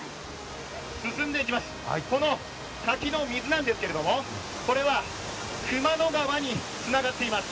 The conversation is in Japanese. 進んでいきます、この滝の水なんですけども、これは熊野川につながっています。